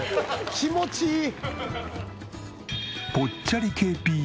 気持ちいい！」